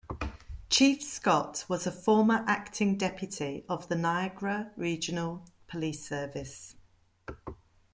Chief Scott was a former Acting Deputy of the Niagara Regional Police Service.